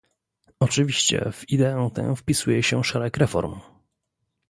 Oczywiście w ideę tę wpisuje się szereg reform